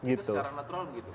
itu secara natural gitu